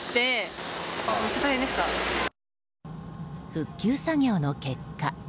復旧作業の結果。